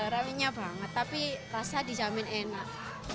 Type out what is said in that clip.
rawinya banget tapi rasa dijamin enak